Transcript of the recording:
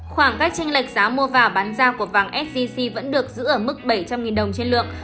khoảng cách tranh lệch giá mua và bán ra của vàng sgc vẫn được giữ ở mức bảy trăm linh đồng trên lượng